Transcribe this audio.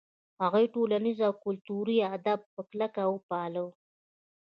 هغوی ټولنیز او کلتوري آداب په کلکه وپالـل.